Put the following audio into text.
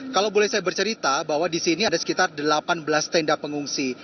kalau boleh saya bercerita bahwa di sini ada sekitar delapan belas tenda pengungsi